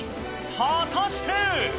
果たして。